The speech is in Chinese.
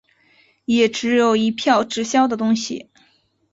也只有一票直销的东西